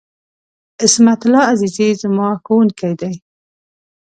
عصمت الله عزیزي ، زما ښوونکی دی.